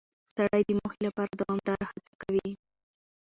سړی د موخې لپاره دوامداره هڅه کوي